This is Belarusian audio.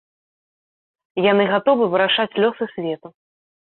Яны гатовы вырашаць лёсы свету.